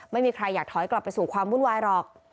ไม่มีใครอยากถอยกลับไปสู่ความวุ่นวายหรอก